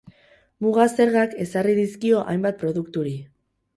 Muga-zergak ezarri dizkio hainbat produkturi.